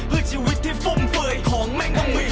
เพื่อชีวิตที่ฟุ่มเฟย์ของแม่งต้องมี